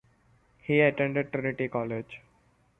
He attended Trinity College.